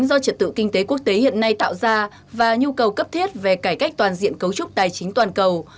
do trật tự kinh tế quốc tế hiện nay tạo ra và nhu cầu cấp thiết về cải cách toàn diện cấu trúc tài chính toàn cầu